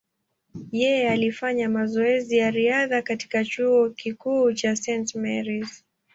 Yeye alifanya mazoezi ya riadha katika chuo kikuu cha St. Mary’s.